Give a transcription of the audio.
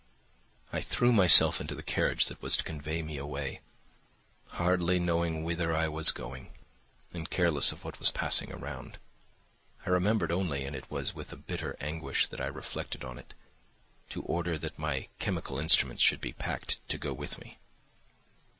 I threw myself into the carriage that was to convey me away, hardly knowing whither I was going, and careless of what was passing around. I remembered only, and it was with a bitter anguish that I reflected on it, to order that my chemical instruments should be packed to go with me.